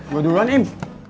gue duluan im